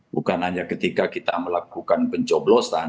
bukan hanya ketika kita melakukan pencoblosan